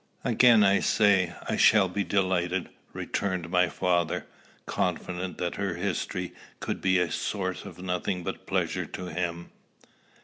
"Again I say I shall be delighted," returned my father, confident that her history could be the source of nothing but pleasure to him.